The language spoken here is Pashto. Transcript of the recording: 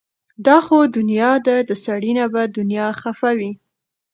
دا خو دنيا ده د سړي نه به دنيا خفه وي